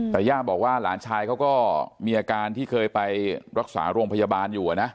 แต่ย่าบอกว่าหลานชายเขาก็มีอาการที่เคยไปรักษาโรงพยาบาลอยู่นะ